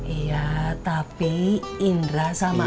iya tapi indra sama